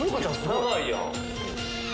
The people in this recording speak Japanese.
長いやん。